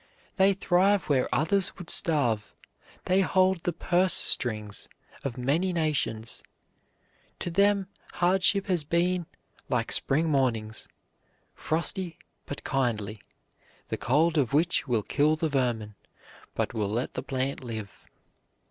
They thrive where others would starve. They hold the purse strings of many nations. To them hardship has been "like spring mornings, frosty but kindly, the cold of which will kill the vermin, but will let the plant live."